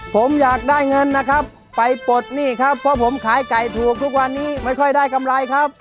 ผมอยากได้เงินนะครับไปปลดหนี้ครับเพราะผมขายไก่ถูกทุกวันนี้ไม่ค่อยได้กำไรครับ